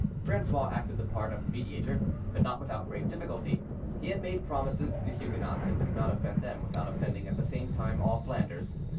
Francois acted the part of mediator, but not without great difficulty; he had made promises to the Huguenots, and could not offend them without offending at the same time all Flanders.